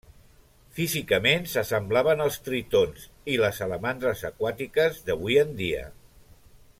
Físicament, s'assemblaven als tritons i les salamandres aquàtiques d'avui en dia.